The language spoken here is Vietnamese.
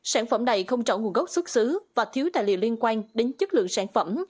sản phẩm này không trỏng nguồn gốc xuất xứ và thiếu tài liệu liên quan đến chất lượng sản phẩm